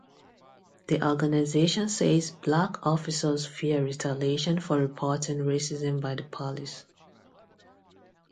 The organization says black officers fear retaliation for reporting racism by the police.